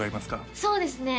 そうですね